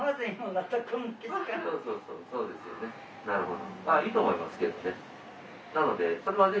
なるほど。